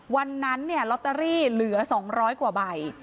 วันนั้นเนี่ยลอตเตอรี่เหลือสองร้อยกว่าใบ